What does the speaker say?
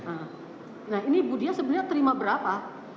nah ini ibu dia sebenarnya terima berapa